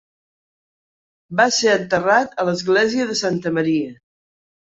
Va ser enterrat a l'església de Santa Maria.